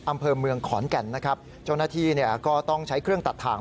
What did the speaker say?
อำเภอเมืองขอนแก่นนะครับเจ้าหน้าที่เนี่ยก็ต้องใช้เครื่องตัดถ่าง